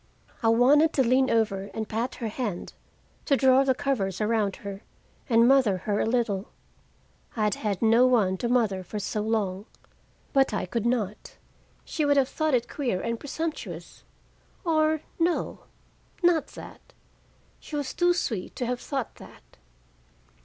I wanted to lean over and pat her hand, to draw the covers around her and mother her a little, I had had no one to mother for so long, but I could not. She would have thought it queer and presumptuous or no, not that. She was too sweet to have thought that.